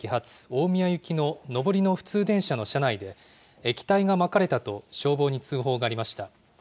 大宮行きの上りの普通電車の車内で、液体がまかれたと消防に通報がありました。